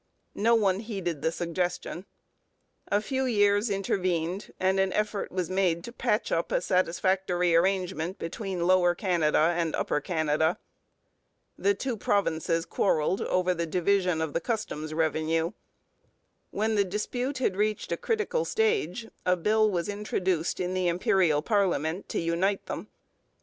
No one heeded the suggestion. A few years intervened, and an effort was made to patch up a satisfactory arrangement between Lower Canada and Upper Canada. The two provinces quarrelled over the division of the customs revenue. When the dispute had reached a critical stage a bill was introduced in the Imperial parliament to unite them.